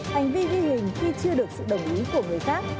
hành vi ghi hình khi chưa được sự đồng ý của người khác